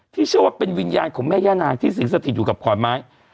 เชื่อว่าเป็นวิญญาณของแม่ย่านางที่สิงสถิตอยู่กับขอนไม้